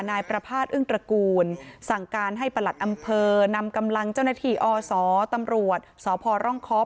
นายประภาษณอึ้งตระกูลสั่งการให้ประหลัดอำเภอนำกำลังเจ้าหน้าที่อศตำรวจสพร่องคอก